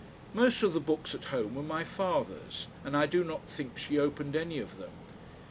Most of the books at home were my father's, and I do not think she opened any of them.